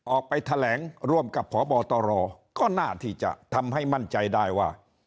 ออกไปแถลงร่วมกับพบตรก็น่าที่จะทำให้มั่นใจได้ว่า